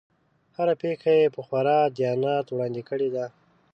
هره پېښه یې په خورا دیانت وړاندې کړې ده.